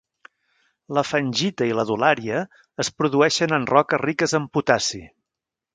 La fengita i l'adulària es produeixen en roques riques en potassi.